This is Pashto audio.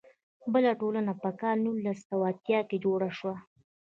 بله ټولنه په کال نولس سوه اتیا کې جوړه شوه.